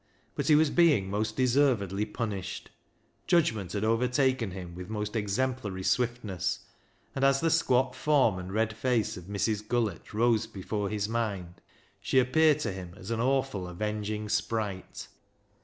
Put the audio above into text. But he was being most deservedly punished. Judgment had overtaken him with most exemplary swiftness ; and as the squat form and red face of Mrs. Gullett rose before his mind, she appeared to him as an awful avenging sprite.